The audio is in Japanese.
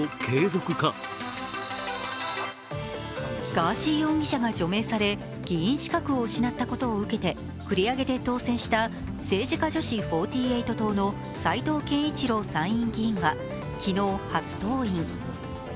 ガーシー容疑者が除名され議員資格を失ったことを受けて繰り上げで当選した政治家女子４８党の斉藤健一郎参院議員が昨日、初登院。